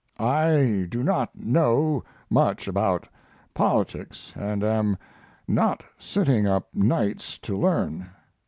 I do not know much about politics, and am not sitting up nights to learn....